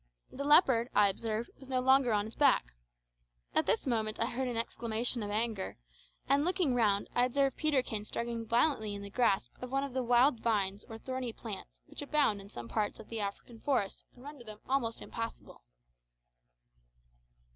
The leopard, I observed, was no longer on its back. At this moment I heard an exclamation of anger, and looking round I observed Peterkin struggling violently in the grasp of one of the wild vines or thorny plants which abound in some parts of the African forests and render them almost impassable.